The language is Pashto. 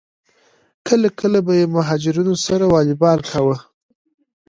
کله کله به یې مهاجرینو سره والیبال کاوه.